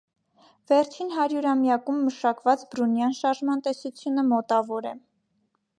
Վերջն հարյուրամյակում մշակված բրունյան շարժման տեսությունը մոտավոր է։